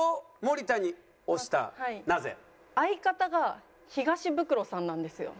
相方が東ブクロさんなんですよ。